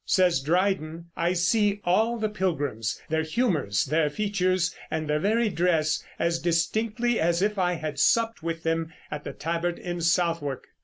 Says Dryden: "I see all the pilgrims, their humours, their features and their very dress, as distinctly as if I had supped with them at the Tabard in Southwark."